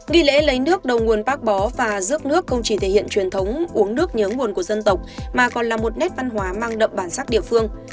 nghi lễ lấy nước đầu nguồn bác bó và rước nước không chỉ thể hiện truyền thống uống nước nhớ nguồn của dân tộc mà còn là một nét văn hóa mang đậm bản sắc địa phương